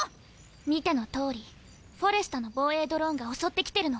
見ての通りフォレスタの防衛ドローンが襲ってきてるの。